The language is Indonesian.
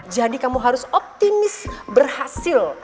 jadi kamu harus optimis berhasil